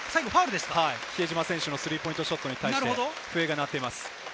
比江島選手のスリーポイントシュートに対して、笛が鳴っています。